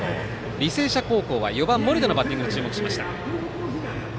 履正社高校は４番森田のバッティングに注目しました。